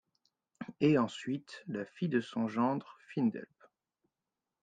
Et ensuite la fille de son gendre Findelb.